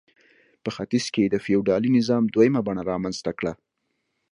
په ختیځ کې یې د فیوډالي نظام دویمه بڼه رامنځته کړه.